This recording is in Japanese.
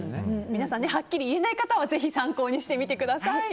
皆さんはっきり言えない方はぜひ参考にしてみてください。